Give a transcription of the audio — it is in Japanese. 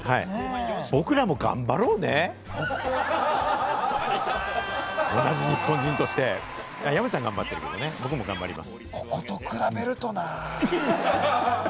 僕らも頑張ろうね、同じ日本人として山ちゃんは頑張ってるけれどもね、僕も頑張ります。